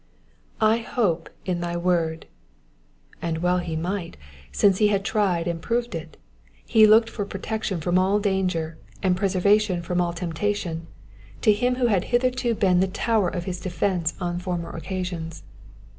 *^J hope in thy icord.^^ And well he might, since he had tried and proved it : he looked for pro tection from all danger, and preservation from all temptation to him who had hitherto been the tower of his defence on former occasions.